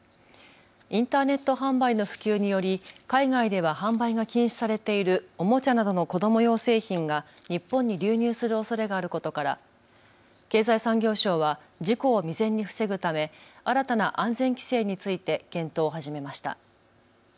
インターネット販売の普及により海外では販売が禁止されているおもちゃなどの子ども用製品が日本に流入するおそれがあることから経済産業省は事故を未然に防ぐため新たな安全規制について検討を始めました。